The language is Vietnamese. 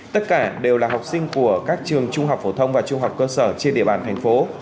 tất cả đều là học sinh của các trường trung học phổ thông và trung học cơ sở trên địa bàn thành phố